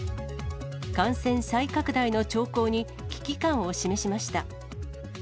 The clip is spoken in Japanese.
感染再拡大の兆候に、危機感を示しました。